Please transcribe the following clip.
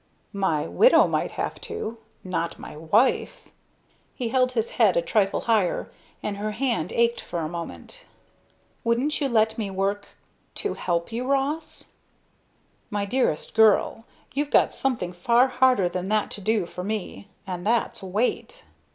"My widow might have to not my wife." He held his fine head a trifle higher, and her hand ached for a moment. "Wouldn't you let me work to help you, Ross?" "My dearest girl, you've got something far harder than that to do for me, and that's wait."